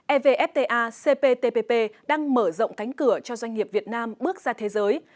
evfta cptpp đang mở rộng cánh cửa cho doanh nghiệp việt nam bước ra thế giới